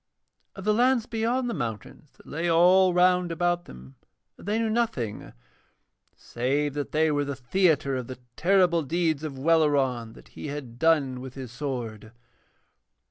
Of the lands beyond the mountains that lay all round about them they knew nothing, save that they were the theatre of the terrible deeds of Welleran, that he had done with his sword.